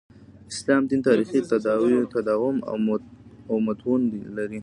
اسلام دین تاریخي تداوم او متون لري.